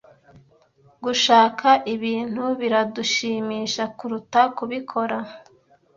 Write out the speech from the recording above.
Gushaka ibintu biradushimisha kuruta kubikora.